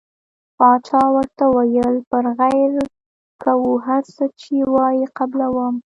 باچا ورته وویل پر غیر کوو هر څه چې وایې قبلووم.